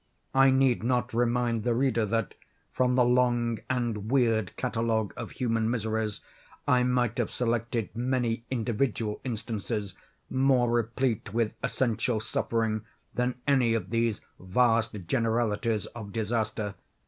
I need not remind the reader that, from the long and weird catalogue of human miseries, I might have selected many individual instances more replete with essential suffering than any of these vast generalities of disaster.